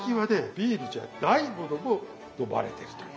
ビールじゃないものも飲まれてるという。